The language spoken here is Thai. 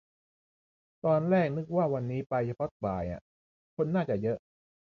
ตอนแรกนึกว่าวันนี้ไปเฉพาะบ่ายอ่ะ คนน่าจะเยอะ